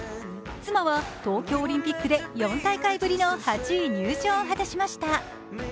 妻は東京オリンピックで４大会ぶりの８位入賞を果たしました。